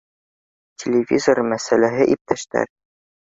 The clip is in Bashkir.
— Телевизор мәсьәләһе, иптәштәр